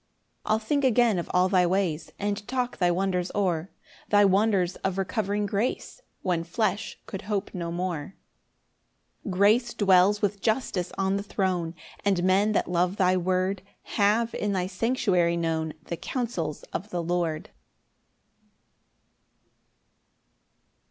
9 I'll think again of all thy ways, And talk thy wonders o'er; Thy wonders of recovering grace, When flesh could hope no more. 10 Grace dwells with justice on the throne; And men that love thy word Have in thy sanctuary known The counsels of the Lord.